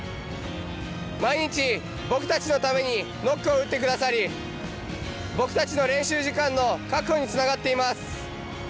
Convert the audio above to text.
毎日僕たちのためにノックを打ってくださり僕たちの練習時間の確保につながっています。